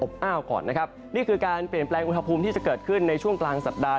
ก่อนนะครับนี่คือการเปลี่ยนแปลงอุณหภูมิที่จะเกิดขึ้นในช่วงกลางสัปดาห